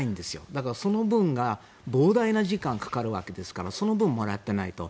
だから、その分が膨大な時間がかかるわけですからその分、もらってないと。